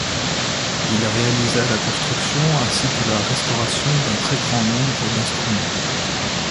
Il réalisa la construction ainsi que la restauration d'un très grand nombre d'instruments.